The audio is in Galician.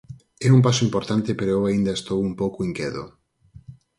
É un paso importante pero eu aínda estou un pouco inquedo.